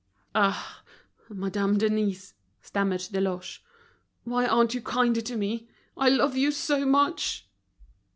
"Ah! Mademoiselle Denise," stammered Deloche, "why aren't you kinder to me? I love you so much!"